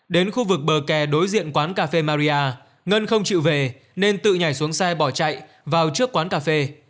đến khu vực bờ kè đối diện quán cà phê maria ngân không chịu về nên tự nhảy xuống xe bỏ chạy vào trước quán cà phê